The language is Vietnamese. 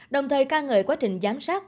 đồng thời ca ngợi quá trình giám sát